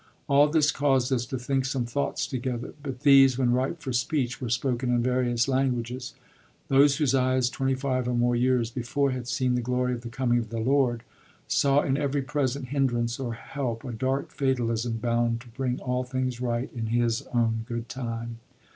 All this caused us to think some thoughts together; but these, when ripe for speech, were spoken in various languages. Those whose eyes twenty five or more years before had seen "the glory of the coming of the Lord," saw in every present hindrance or help a dark fatalism bound to bring all things right in His own good time.